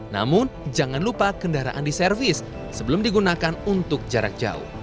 namun jangan lupa kendaraan diservis sebelum digunakan untuk jarak jauh